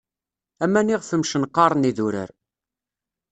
Aman iɣef mcenqaṛen idurar.